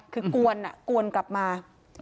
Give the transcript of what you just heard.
คือกวนกลับมา